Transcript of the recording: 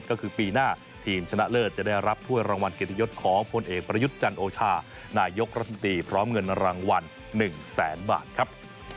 ตอนที่๑๖๑ก็คือปีหน้าทีมชะละเลิศจะได้รับถ้วยรางวัลเกียรติยศของพนเอกประยุจรรย์โอชานายกราศนิตย์พร้อมเงินรางวัล๑แสนบาทครับ